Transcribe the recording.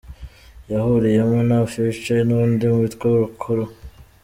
" yahuriyemo na Future n’undi witwa Rocko.